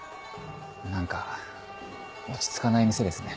何か落ち着かない店ですね。